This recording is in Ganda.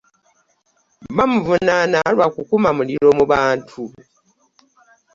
Bamuvunana lwa kukuma muliro mu bantu .